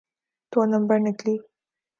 دو number نکلی۔